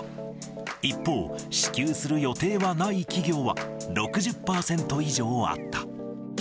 一方、支給する予定はない企業は６０％以上あった。